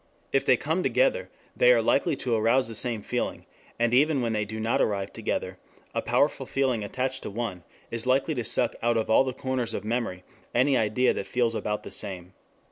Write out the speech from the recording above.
If they come together they are likely to arouse the same feeling; and even when they do not arrive together a powerful feeling attached to one is likely to suck out of all the corners of memory any idea that feels about the same.